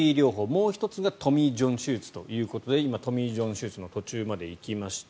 もう１つがトミー・ジョン手術ということで今、トミー・ジョン手術の途中まで行きました。